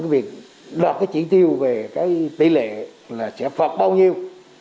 việc đạt cái chỉ tiêu về cái tỷ lệ là sẽ phạt bao nhiêu